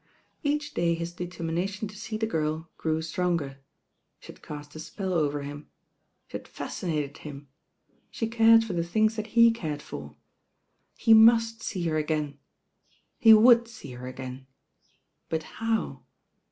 Each day his determination to see the girl grew stronger. She had cast a spell over him. She had fascinated him. She cared for the things that he cared for. He m«j/ see her again. He wom/J see her again^but how?